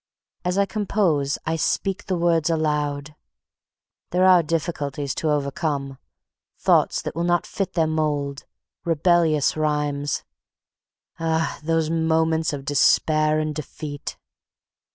As I compose I speak the words aloud. There are difficulties to overcome; thoughts that will not fit their mold; rebellious rhymes. Ah! those moments of despair and defeat.